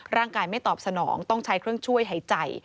ไม่ตอบสนองต้องใช้เครื่องช่วยหายใจ